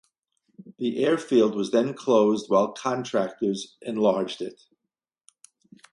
The airfield was then closed while contractors enlarged it.